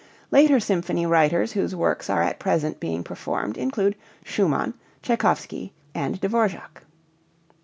Later symphony writers whose works are at present being performed include Schumann, Tschaikowsky, and Dvo[vr]ák.